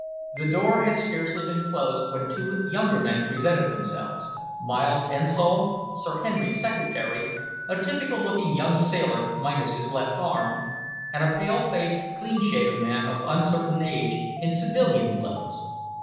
The door had scarcely been closed when two younger men presented themselves Miles Ensol, Sir Henry's secretary, a typical looking young sailor minus his left arm; and a pale faced, clean shaven man of uncertain age, in civilian clothes.